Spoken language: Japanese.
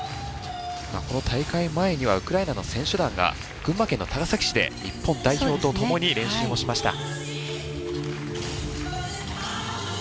この大会前にはウクライナの選手団が群馬県の高崎市で日本代表とともに練習もしました。